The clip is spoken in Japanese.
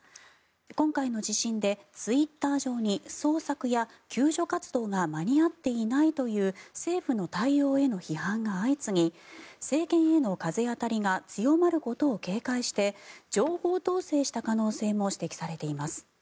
今回の地震で、ツイッター上に捜索や救助活動が間に合っていないという政府の対応への批判が相次ぎ政権への風当たりが強まることを警戒して情報統制した可能性も指摘されています。